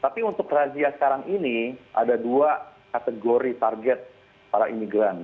tapi untuk razia sekarang ini ada dua kategori target para imigran